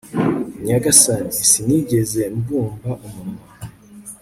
nyagasani, sinigeze mbumba umunwa